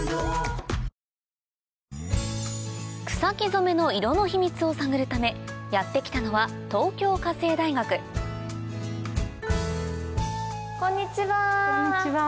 染めの色の秘密を探るためやって来たのはこんにちは。